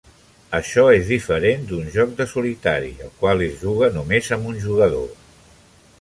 Això és diferent d'un joc de solitari, el qual es juga només amb un jugador.